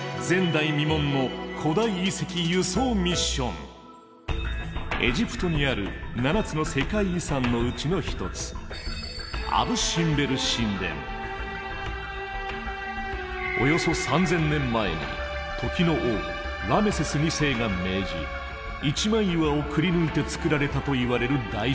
３つ目はエジプトにある７つの世界遺産のうちの一つおよそ３，０００年前に時の王ラメセス２世が命じ一枚岩をくりぬいて造られたといわれる大神殿。